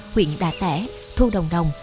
huyện đà tẻ thu đồng đồng